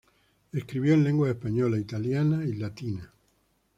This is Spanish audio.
Escribió en lenguas española, italiana y latina.